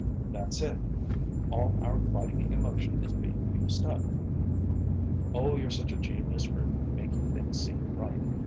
"That's it. All our fighting emotion is being used up." "Oh, you're such a genius for making things seem right!